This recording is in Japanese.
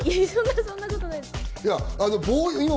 そんなことないです。